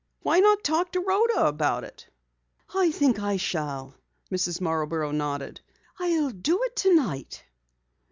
"Why not talk to Rhoda about it?" "I think I shall," Mrs. Marborough nodded. "I'll do it tonight."